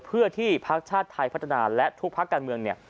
เพื่อที่พักชาติไทยพัฒนาและทุกภาคการเมืองเนี่ย